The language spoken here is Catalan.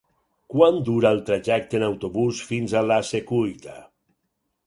Quant dura el trajecte en autobús fins a la Secuita?